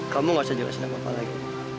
kamu gak usah jelasin apa apa lagi